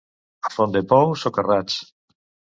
A Fontdepou, socarrats.